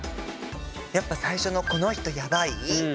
やっぱ最初の「この人ヤバい」